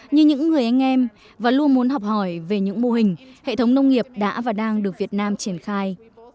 như những người anh em và luôn muốn học hỏi về những mô hình hệ thống nông nghiệp đã và đang được việt nam triển khai